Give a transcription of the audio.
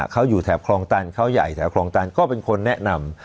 เขาอยู่แถบคลองตันเขาใหญ่แถวคลองตันก็เป็นคนแนะนำ